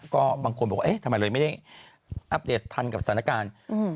ก็บางคนบอกว่าเอ๊ะทำไมเลยไม่ได้อัปเดตทันกับสถานการณ์